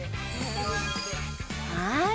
はい！